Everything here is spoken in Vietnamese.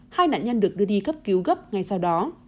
hai nạn nhân được đưa đi cấp cứu gấp ngay sau đó